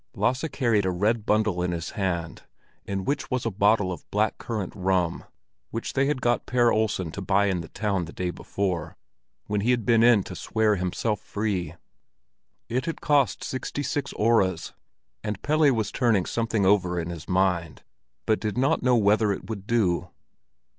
Lasse carried a red bundle in his hand, in which was a bottle of black currant rum, which they had got Per Olsen to buy in the town the day before, when he had been in to swear himself free. It had cost sixty six öres, and Pelle was turning something over in his mind, but did not know whether it would do.